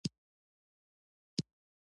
د ځواک لاره د ماشین د وړتیا برخه ده.